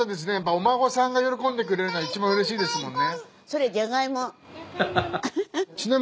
お孫さんが喜んでくれるのが一番うれしいですもんね。